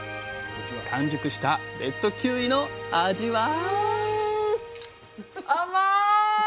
完熟したレッドキウイの味は？